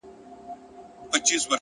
د هدف وضاحت د ذهن ګډوډي ختموي،